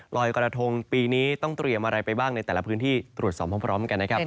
รอยกระทงปีนี้ต้องเตรียมอะไรไปบ้างในแต่ละพื้นที่ตรวจสอบพร้อมกันนะครับ